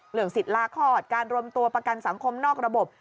สิทธิ์ลาคลอดการรวมตัวประกันสังคมนอกระบบ